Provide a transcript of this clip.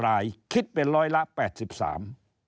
รายคิดเป็นร้อยละแปดสิบสาม